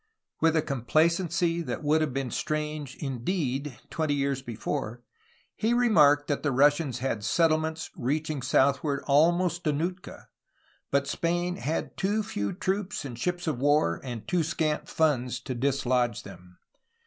With a complacency that would have been strange indeed, twenty years before, he remarked that the Russians had settlements reaching south ward almost to Nootka, but Spain had too few troops and ships of war and too scant funds to dislodge them.